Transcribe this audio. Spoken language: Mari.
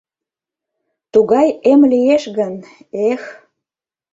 Тугай эм лиеш гын, эх!..